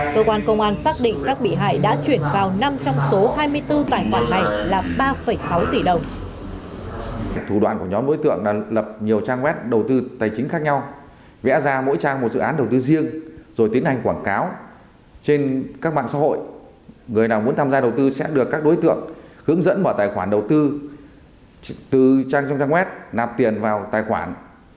cơ quan công an xác định các bị hại đã chuyển vào năm trong số hai mươi bốn tài khoản này là ba sáu tỷ đồng